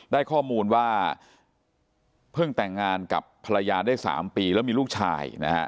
ได้ข้อมูลว่าเพิ่งแต่งงานกับภรรยาได้๓ปีแล้วมีลูกชายนะฮะ